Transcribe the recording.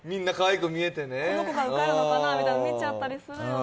この子が受かるのかなみたいなのはめっちゃあったりするよね。